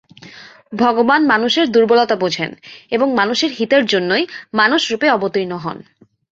ভগবান মানুষের দুর্বলতা বুঝেন, এবং মানুষের হিতের জন্যই মানুষরূপে অবতীর্ণ হন।